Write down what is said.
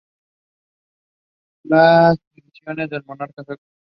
Esta batalla fue trascendental para el reino de Portugal por muchos conceptos.